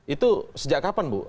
itu sejak kapan bu